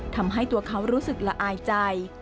ทำให้ตัวเขารู้สึกละอายใจ